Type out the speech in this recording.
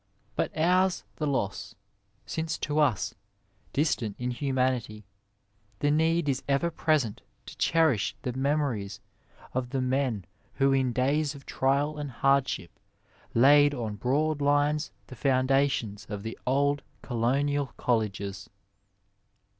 But ours the loss, since to us, distant in humanity, the need is ever present to cherish the me mories of the men who in days of trial and hardship laid on broad lines the foundations of the old colonial colleges.